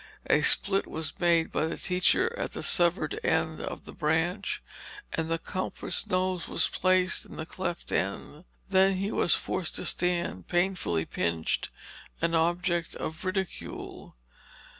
A split was made by the teacher at the severed end of the branch, and the culprit's nose was placed in the cleft end. Then he was forced to stand, painfully pinched, an object of ridicule.